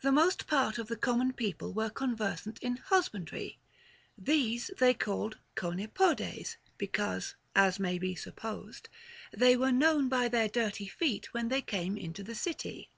The most part of the common people were conversant in husbandry ; these they called χονίηοδες, because (as may be supposed) they were known by their dirty feet when they came into the city.